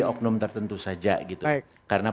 oknum tertentu saja gitu karena